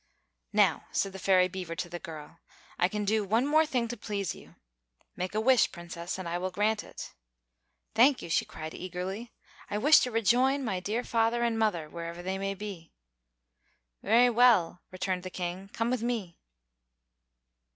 "Now," said the Fairy Beaver to the girl, "I can do one more thing to please you. Make a wish, Princess, and I will grant it." [Illustration: THE PRINCESS EMBARKS IN THE SUBMARINE] "Thank you!" she cried, eagerly. "I wish to rejoin my dear father and mother, wherever they may be." "Very well," returned the King; "come with me."